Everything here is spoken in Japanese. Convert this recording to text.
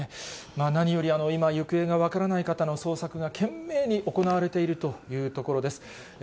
何より、今、行方が分からない方の捜索が懸命に行われているというところです。